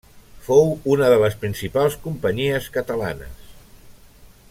Fou una de les principals companyies catalanes.